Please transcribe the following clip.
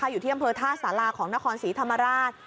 อยู่ที่อำเภอท่าสาราของนครศรีธรรมราช